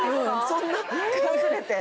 そんなこすれて？